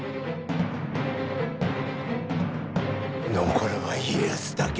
残るは家康だけ。